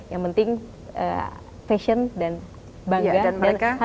yang penting fashion dan bangga